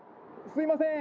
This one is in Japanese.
すいません。